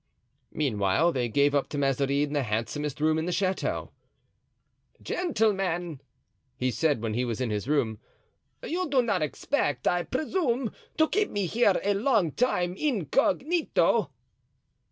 Meanwhile, they gave up to Mazarin the handsomest room in the chateau. "Gentlemen," he said, when he was in his room, "you do not expect, I presume, to keep me here a long time incognito?"